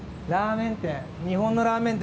ラーメン店。